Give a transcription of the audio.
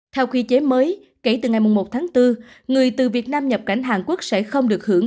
theo quy chế mới kể từ ngày một tháng bốn người từ việt nam nhập cảnh hàn quốc sẽ không được hưởng